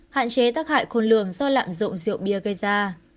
hạn chế tác hại khôn lường do lạm dụng rượu bia gây ra